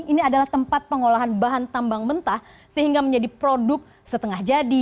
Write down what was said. ini adalah tempat pengolahan bahan tambang mentah sehingga menjadi produk setengah jadi